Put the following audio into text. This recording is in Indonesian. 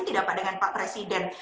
tidak pak dengan pak presiden